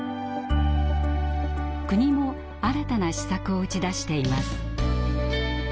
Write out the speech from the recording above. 国も新たな施策を打ち出しています。